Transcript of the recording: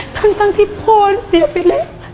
ทั้งที่พ่อเสียไปแล้ว